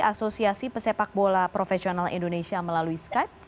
asosiasi pesepak bola profesional indonesia melalui skype